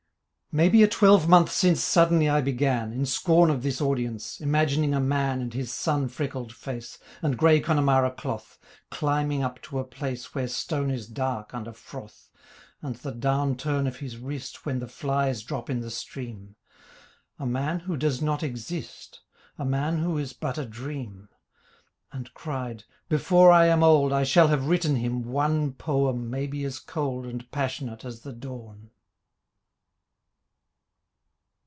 Maybe a twelvemonth since Suddenly I began, In scorn of this audience, Imagining a man And his sun freckled face, And grey Connemara cloth, Climbing up to a place Where stone is dark under froth, And the down turn of his wrist When the flies drop in the stream: A man who does not exist, A man who is but a dream; And cried, 'Before I am old I shall have written him one Poem maybe as cold And passionate as the dawn.'